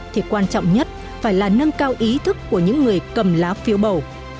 thì quan trọng nhất phải là nâng cao ý thức của những người cầm lá phiếu bầu